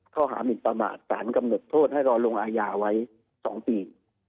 ข้อหามินประมาทสารกำหนดโทษให้รอลงอาญาไว้๒ปี